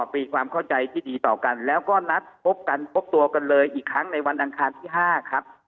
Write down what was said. มีความเข้าใจที่ดีต่อกันแล้วก็นัดพบกันพบตัวกันเลยอีกครั้งในวันอังคารที่๕ครับ